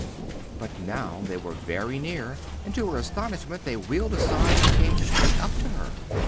But now they were very near, and, to her astonishment, they wheeled aside and came straight up to her.